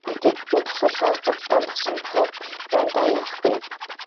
Нэгэнтээ бүтэн тасалгаа худалдаад авсан хойно юундаа яарах вэ.